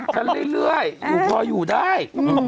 ฉันเรื่อยพออยู่ได้